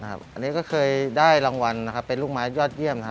อันนี้ก็เคยได้รางวัลเป็นลูกมาสยอดเยี่ยม